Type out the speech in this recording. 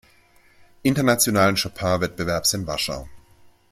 Internationalen Chopin-Wettbewerbs in Warschau.